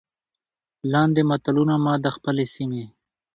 لاندې متلونه ما د خپلې سيمې